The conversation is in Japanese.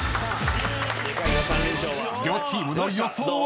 ［両チームの予想は？］